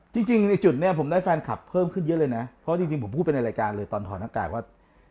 จริงในจุดนี้ผมได้แฟนคลับเพิ่มขึ้นเยอะเลยนะเพราะจริงผมพูดไปในรายการเลยตอนถอดหน้ากากว่า